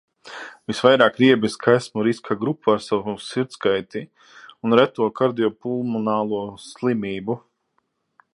Visvairāk riebjas, ka esmu riska grupā ar savu sirdskaiti un reto kardiopulmonālo slimību.